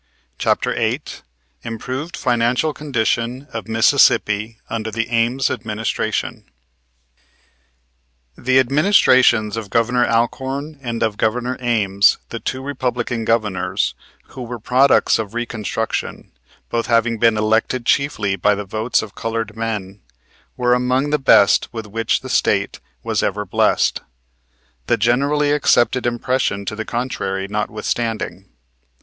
CHAPTER VIII IMPROVED FINANCIAL CONDITION OF MISSISSIPPI UNDER THE AMES ADMINISTRATION The administrations of Governor Alcorn and of Governor Ames, the two Republican Governors, who were products of Reconstruction, both having been elected chiefly by the votes of colored men, were among the best with which that State was ever blessed, the generally accepted impression to the contrary notwithstanding.